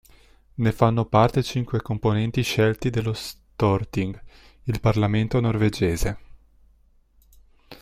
Ne fanno parte cinque componenti scelti dallo Storting, il parlamento norvegese.